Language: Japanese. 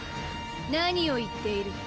何を言っている？